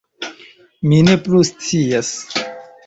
- Mi ne plu scias